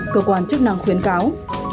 cơ quan chức năng khuyến cáo